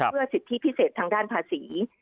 เพื่อสิทธิพิเศษทางด้านภาษี